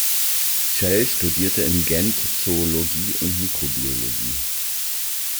Schell studierte in Gent Zoologie und Mikrobiologie.